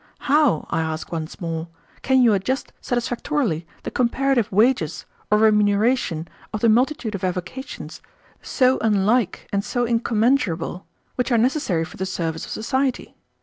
How, I ask once more, can you adjust satisfactorily the comparative wages or remuneration of the multitude of avocations, so unlike and so incommensurable, which are necessary for the service of society?